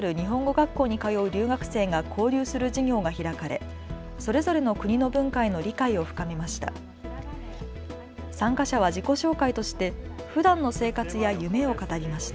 学校に通う留学生が交流する授業が開かれそれぞれの国の文化への理解を深めました。